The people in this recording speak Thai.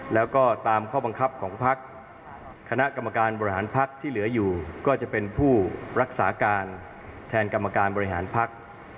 แล้วก็ตามข้อบังคับของพักคณะกรรมการบริหารพักที่เหลืออยู่ก็จะเป็นผู้รักษาการแทนกรรมการบริหารพัก